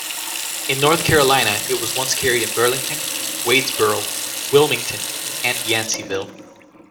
In North Carolina, it was once carried in Burlington, Wadesboro, Wilmington, and Yanceyville.